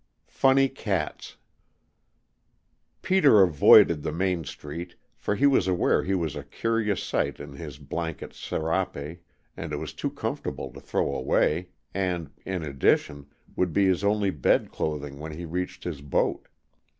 FUNNY CATS PETER avoided the main street, for he was aware he was a curious sight in his blanket serape, and it was too comfortable to throw away, and, in addition, would be his only bed clothing when he reached his boat.